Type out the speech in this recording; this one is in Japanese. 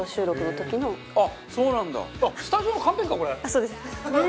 そうです。